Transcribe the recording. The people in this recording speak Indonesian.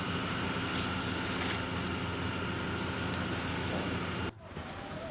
melakukan kaupung ma vocasi awam diuldade selanjutnya